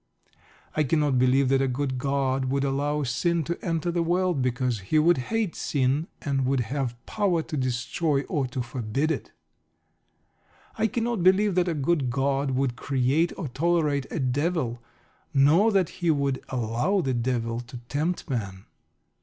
I cannot believe that a good God would allow sin to enter the world. Because He would hate sin and would have power to destroy or to forbid it. I cannot believe that a good God would create or tolerate a Devil, nor that he would allow the Devil to tempt man.